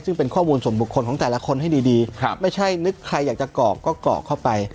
ซึ่งเป็นข้อมูลส่วนบุคคลของแต่ละคนให้ดีไม่ใช่นึกใครอยากจะกรอกก็กรอกเข้าไป